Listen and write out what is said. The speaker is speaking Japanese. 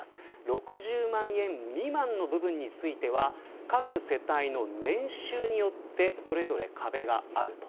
６０万円未満の部分については各世帯の年収によってそれぞれ壁がある。